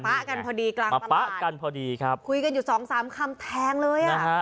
กันพอดีกลางปะกันพอดีครับคุยกันอยู่สองสามคำแทงเลยอ่ะ